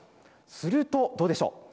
するとどうでしょう。